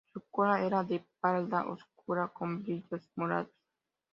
Su cola era de parda oscura con brillos morados.